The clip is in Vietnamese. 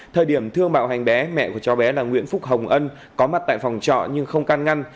thời điểm thương mạo hành bé mẹ của cháu bé là nguyễn phúc hồng ân có mặt tại phòng trọ nhưng không can ngăn